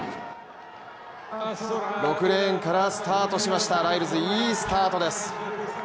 ６レーンからスタートしましたライルズ、いいスタートです。